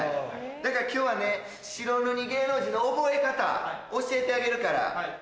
だから今日はね白塗り芸能人の覚え方教えてあげるから。